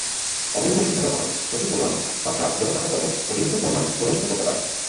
অবৈধ ওষুধের ব্যবহার, প্রচুর পরিমাণে, বা ড্রাগ বিরত থাকার পরেও অতিরিক্ত পরিমাণে প্ররোচিত করতে পারে।